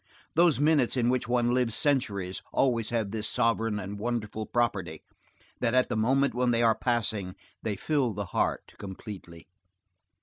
Those minutes in which one lives centuries always have this sovereign and wonderful property, that at the moment when they are passing they fill the heart completely.